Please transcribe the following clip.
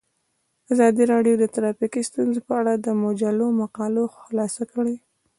ازادي راډیو د ټرافیکي ستونزې په اړه د مجلو مقالو خلاصه کړې.